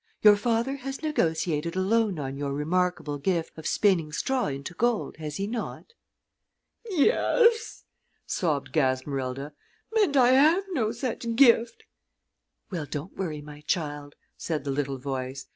Your father has negotiated a loan on your remarkable gift of spinning straw into gold, has he not?" "Yes," sobbed Gasmerilda, "and I have no such gift." "Well, don't worry, my child," said the little voice.